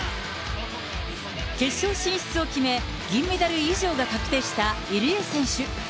決勝進出を決め、銀メダル以上が確定した入江選手。